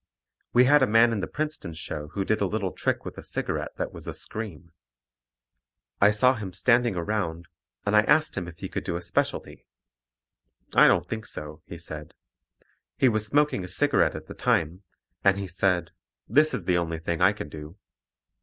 We had a man in the Princeton show who did a little trick with a cigarette that was a scream. I saw him standing around, and I asked him if he could do a specialty. "I don't think so," he said. He was smoking a cigarette at the time, and he said "This is the only thing I can do."